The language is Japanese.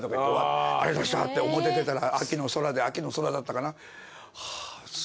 ありがとうございましたって表出たら秋の空で秋の空だったかな？